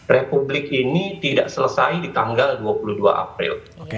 republik ini tidak selesai di tanggal dua puluh dua april